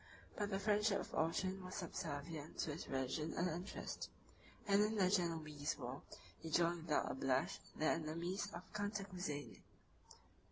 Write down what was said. But the friendship of Orchan was subservient to his religion and interest; and in the Genoese war he joined without a blush the enemies of Cantacuzene.